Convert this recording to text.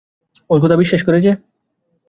ওর কথা বিশ্বাস করেছে?